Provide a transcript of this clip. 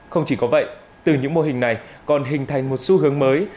không chỉ có vậy từ những mô hình này còn hình thành một xu hướng mới